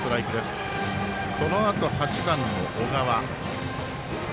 このあと８番の小川。